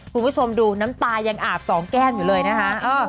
คุณผู้ชมดูน้ำตายังอาบสองแก้มอยู่เลยนะคะ